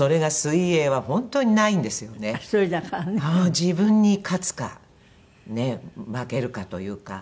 自分に勝つかねっ負けるかというか。